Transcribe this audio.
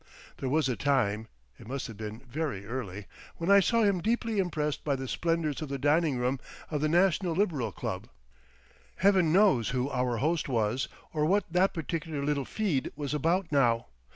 There was a time—it must have been very early—when I saw him deeply impressed by the splendours of the dining room of the National Liberal Club. Heaven knows who our host was or what that particular little "feed" was about now!